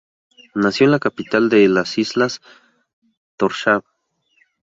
Nació en la capital de las islas, Tórshavn.